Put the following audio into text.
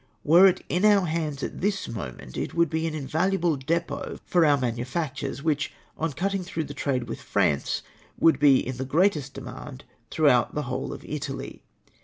Were it in our hands at this moment, it would be an invaluable depot for our manufac tures, which, on cutting off the trade with France, would be in the greatest demand throughout the whole of Italy.